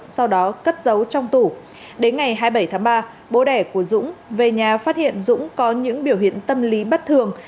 sau đó cất giấu trong tủ đến ngày hai mươi bảy tháng ba bố đẻ của dũng về nhà phát hiện dũng có những biểu hiện tâm lý bất thường